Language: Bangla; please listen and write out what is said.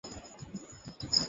আমার পেছনে কাউকে আসতে দেবে না।